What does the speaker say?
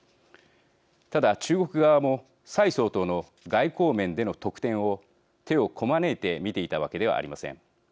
ただ、中国側も蔡総統の外交面での得点を手をこまねいて見ていたわけではありません。